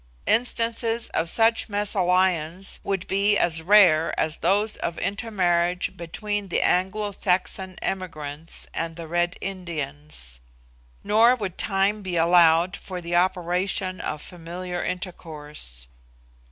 Instances of such 'mesalliance' would be as rare as those of intermarriage between the Anglo Saxon emigrants and the Red Indians. Nor would time be allowed for the operation of familiar intercourse.